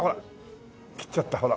切っちゃったほら。